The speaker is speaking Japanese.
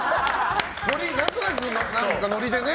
何となく、ノリでね。